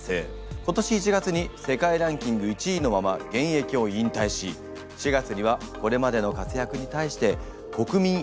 今年１月に世界ランキング１位のまま現役を引退し４月にはこれまでの活躍に対して国民栄誉賞を授与されました。